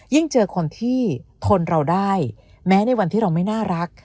เจอคนที่ทนเราได้แม้ในวันที่เราไม่น่ารัก